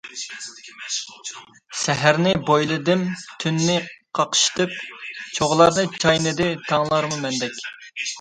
سەھەرنى بويلىدىم تۈننى قاقشىتىپ، چوغلارنى چاينىدى تاڭلارمۇ مەندەك.